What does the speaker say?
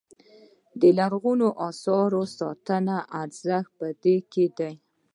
د لرغونو اثارو ساتنې ارزښت په دې کې دی.